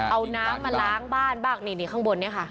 เอาน้ำมาล้างบ้านบ้างนี่ข้างบนเนี่ยค่ะ